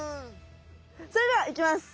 それではいきます。